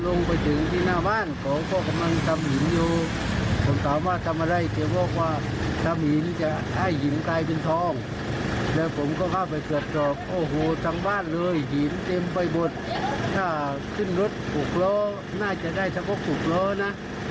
แล้วก็พ่ออยู่ไม่ได้แล้วไม่มีที่อยู่หินเต็มบ้านบน